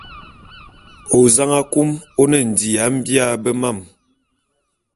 Ozang akum one ndi ya mbia bé mam.